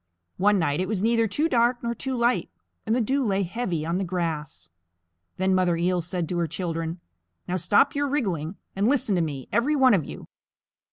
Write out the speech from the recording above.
One night it was neither too dark nor too light, and the dew lay heavy on the grass. Then Mother Eel said to her children, "Now stop your wriggling and listen to me, every one of you!